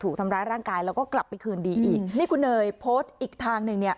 ถูกทำร้ายร่างกายแล้วก็กลับไปคืนดีอีกนี่คุณเนยโพสต์อีกทางหนึ่งเนี่ย